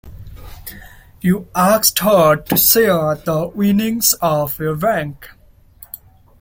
You asked her to share the winnings of your bank.